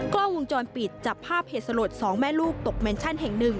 กล้องวงจรปิดจับภาพเหตุสลด๒แม่ลูกตกแมนชั่นแห่งหนึ่ง